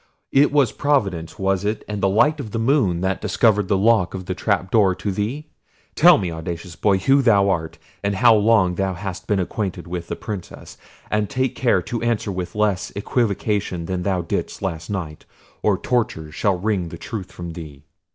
it was Providence, was it, and the light of the moon, that discovered the lock of the trap door to thee? Tell me, audacious boy, who thou art, and how long thou hast been acquainted with the Princess—and take care to answer with less equivocation than thou didst last night, or tortures shall wring the truth from thee."